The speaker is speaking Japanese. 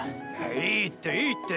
いいっていいって。